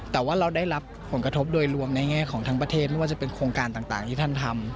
กระทบโดยรวมในแง่ของทางประเทศว่าจะเป็นโครงการต่างที่ท่านทำ